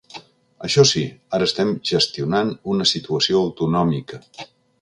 Això sí: Ara estem gestionant una situació autonòmica.